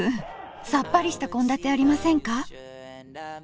さっぱりした献立ありませんか？